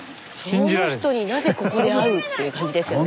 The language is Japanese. この人になぜここで会うっていう感じですよね。